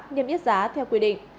nghiêm yết giá theo quy định